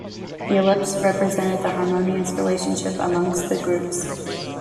The ellipse represented the harmonious relationship amongst the groups.